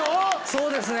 そうですね。